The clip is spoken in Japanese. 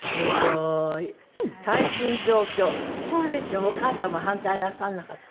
でもお母様反対なさらなかった？